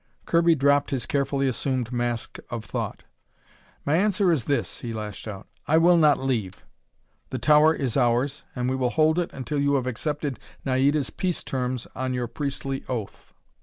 Kirby dropped his carefully assumed mask of thought. "My answer is this," he lashed out. "I will not leave! The tower is ours, and we will hold it until you have accepted Naida's peace terms on your priestly oath!"